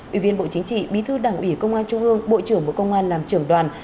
ủy viên bộ chính trị bí thư đảng ủy công an trung ương bộ trưởng bộ công an làm trưởng đoàn